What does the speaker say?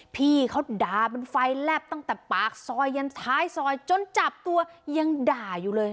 พี่เขาด่ามันไฟแลบตั้งแต่ปากซอยยันท้ายซอยจนจับตัวยังด่าอยู่เลย